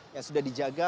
yang sudah dijaga